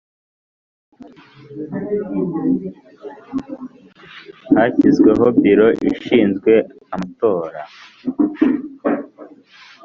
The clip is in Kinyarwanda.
Hashyizweho Biro ishinzwe amatora